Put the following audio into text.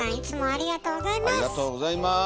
ありがとうございます。